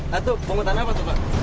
nah itu pungutan apa tuh pak